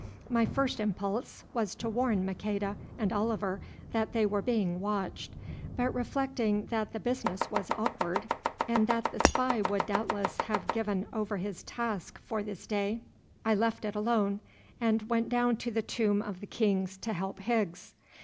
My first impulse was to warn Maqueda and Oliver that they were being watched, but reflecting that the business was awkward, and that the spy would doubtless have given over his task for this day, I left it alone, and went down to the Tomb of the Kings to help Higgs.